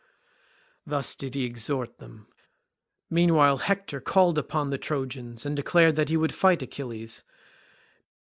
Thus did he exhort them. Meanwhile Hector called upon the Trojans and declared that he would fight Achilles.